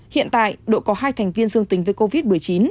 hiện tại đội có hai thành viên dương tính với covid một mươi chín